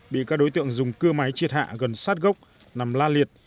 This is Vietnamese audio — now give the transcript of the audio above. bị các đối tượng dùng cưa máy triệt hạ gần sát gốc nằm la liệt